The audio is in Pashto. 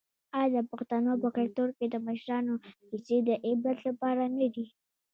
آیا د پښتنو په کلتور کې د مشرانو کیسې د عبرت لپاره نه دي؟